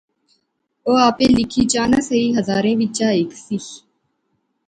او آپے لکھیں چا نہ سہی ہزاریں وچا ہیک سی